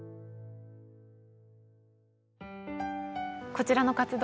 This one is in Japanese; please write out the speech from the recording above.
こちらの活動